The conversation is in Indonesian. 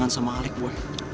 terima kasih bro